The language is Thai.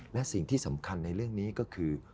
และสิ่งที่สำคัญในเรื่องนี้ก็คือ